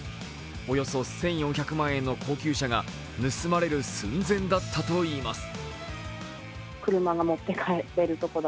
およそ１４００万円の高級車が盗まれる寸前だったといいます。